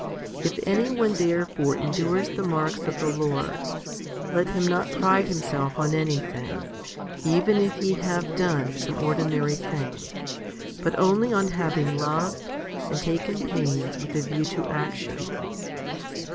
If any one therefore endures the marks of the Lord, 1 let him not pride himself on anything, even if he have done some ordinary thing, but only on having loved and taken pains with a view to action.